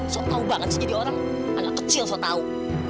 sok tau banget sih jadi orang anak kecil sok tau